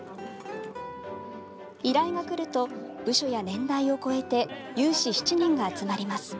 依頼がくると部署や年代を越えて有志７人が集まります。